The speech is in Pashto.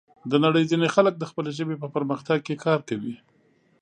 د نړۍ ځینې خلک د خپلې ژبې په پرمختګ کې کار کوي.